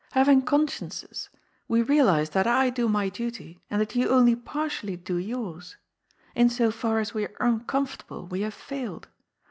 Haying consciences, we realize that I do my duty and that you only partially do yours. In so far as we are uncomfortable, we have failed.